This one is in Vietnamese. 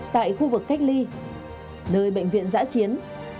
tại khu vực cách ly nơi bệnh viện giã chiến